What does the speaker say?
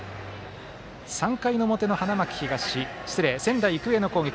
３回の表の仙台育英の攻撃。